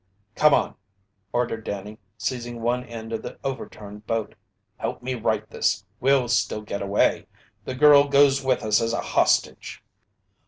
"Come on!" ordered Danny, seizing one end of the overturned boat. "Help me right this! We'll still get away! The girl goes with us as a hostage!"